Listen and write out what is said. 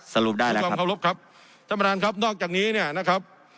สรุปได้ความเคารพครับท่านประธานครับนอกจากนี้เนี่ยนะครับ